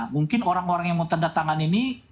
mungkin orang orang yang mau tanda tangan ini